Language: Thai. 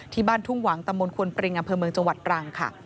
ที่บ้านทุ่งหวังตมควนปริงอำเภอเมืองจังหวัดปรังค่ะ